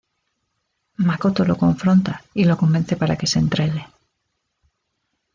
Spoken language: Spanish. Makoto lo confronta y lo convence para que se entregue.